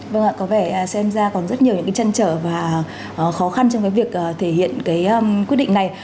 vâng ạ có vẻ xem ra còn rất nhiều những cái chăn trở và khó khăn trong cái việc thể hiện cái quyết định này